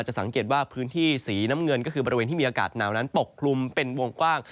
สังเกตว่าพื้นที่สีน้ำเงินก็คือบริเวณที่มีอากาศหนาวนั้นปกคลุมเป็นวงกว้าง